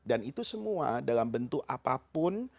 dan itu semua dalam bentuk apapun